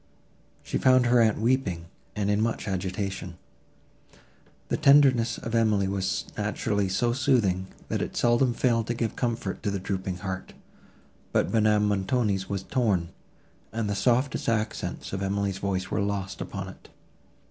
She found her aunt weeping, and in much agitation. The tenderness of Emily was naturally so soothing, that it seldom failed to give comfort to the drooping heart: but Madame Montoni's was torn, and the softest accents of Emily's voice were lost upon it.